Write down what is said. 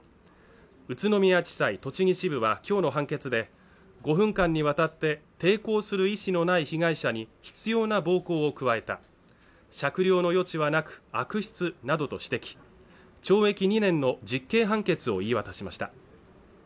宇都宮地裁栃木支部は今日の判決で、５分間にわたって抵抗する意思のない被害者に執ような暴行を加えた、酌量の余地はなく悪質などと指摘懲役２年の実刑判決を言い渡しました。